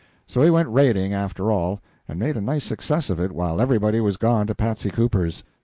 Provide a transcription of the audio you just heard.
So he went raiding, after all, and made a nice success of it while everybody was gone to Patsy Cooper's.